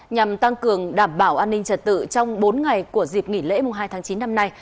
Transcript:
nhằm tăng cường đảm bảo an ninh trật tự trong bốn ngày của dịp nghỉ lễ hai tháng chín năm nay